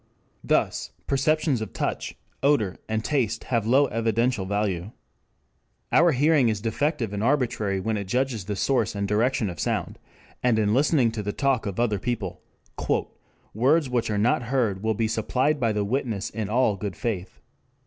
Thus, perceptions of touch, odor, and taste have low evidential value. Our hearing is defective and arbitrary when it judges the source and direction of sound, and in listening to the talk of other people "words which are not heard will be supplied by the witness in all good faith.